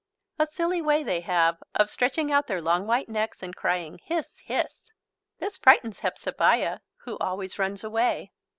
A silly way they have of stretching out their long white necks and crying, "Hiss, hiss!" This frightens Hepzebiah who always runs away.